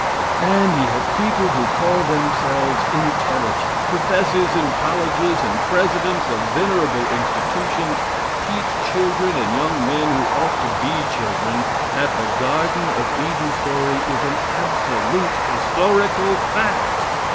And yet people who call themselves intelligent professors in colleges and presidents of venerable institutions teach children, and young men who ought to be children, that the Garden of Eden story is an absolute, historical fact!